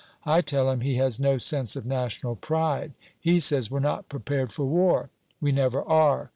I tell him, he has no sense of national pride. He says, we're not prepared for war: We never are!